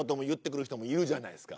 いるじゃないですか